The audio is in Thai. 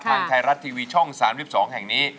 ทางไทยรัฐทีวีช่อง๓๒แห่งนี้